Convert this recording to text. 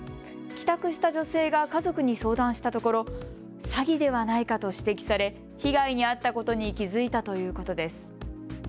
帰宅した女性が家族に相談したところ詐欺ではないかと指摘され被害に遭ったことに気付いたということです。